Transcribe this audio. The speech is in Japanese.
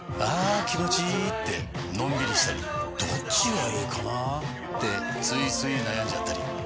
あ気持ちいいってのんびりしたりどっちがいいかなってついつい悩んじゃったり。